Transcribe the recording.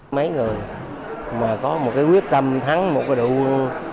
mấy người mà có một cái quyết tâm thắng một cái đội quân